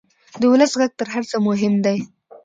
د ولس غږ تر هر څه مهم دی.